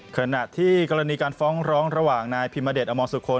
ขณะที่กรณีการฟ้องร้องระหว่างนายพิมเดชอมรสุคล